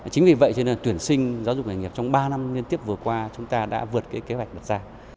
chính vì vậy cho nên tuyển sinh giáo dục nghề nghiệp trong ba năm liên tiếp vừa qua chúng ta đã vượt cái kế hoạch đặt ra